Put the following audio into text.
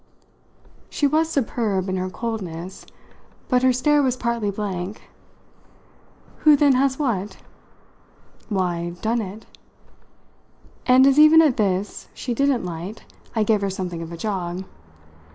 She was superb in her coldness, but her stare was partly blank. "Who then has what?" "Why, done it." And as even at this she didn't light I gave her something of a jog.